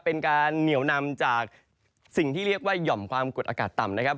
เป็นการเหนียวนำจากสิ่งที่เรียกว่าหย่อมความกดอากาศต่ำนะครับ